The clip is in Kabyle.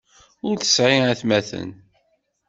Ur tesɛi aytmaten.